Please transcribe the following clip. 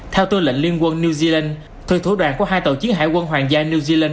theo tư lệnh liên quân new zealand thủy thủ đoàn của hai tàu chiến hải quân hoàng gia new zealand